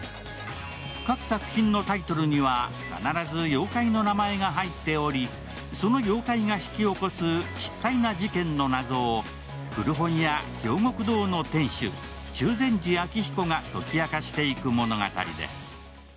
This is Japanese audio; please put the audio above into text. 各作品のタイトルには必ず妖怪の名前が入っておりその妖怪が引き起こす奇怪な事件の謎を古本屋・京極堂の店主、中禅寺秋彦が解き明かしていく物語です。